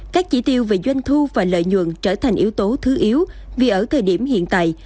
các chỉ tiêu về doanh thu và lợi nhuận trở thành yếu tố thứ yếu vì ở thời điểm hiện tại